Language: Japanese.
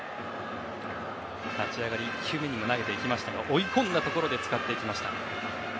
立ち上がり、１球目にも投げていきましたが追い込んだところで使っていきました。